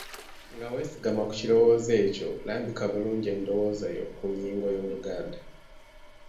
Nga weesigama ku kirowoozo ekyo lambika bulungi endowooza yo ku nnyingo y’Oluganda.